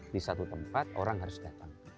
di satu tempat orang harus datang